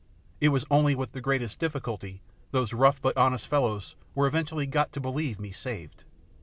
It was only with the greatest difficulty those rough but honest fellows were eventually got to believe me saved.